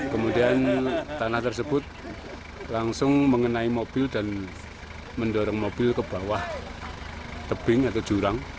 kemudian tanah tersebut langsung mengenai mobil dan mendorong mobil ke bawah tebing atau jurang